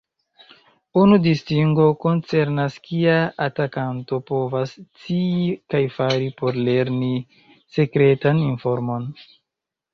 Unu distingo koncernas kia atakanto povas scii kaj fari por lerni sekretan informon.